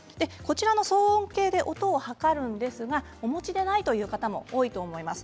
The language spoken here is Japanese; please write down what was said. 騒音計で音を測るんですがお持ちでないという方も多いと思います。